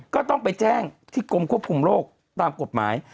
ก็ต้องไปแจ้งที่กรมควบคุมโรคตามกฎหมาย